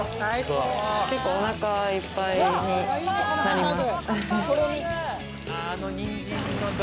結構、お腹いっぱいになります。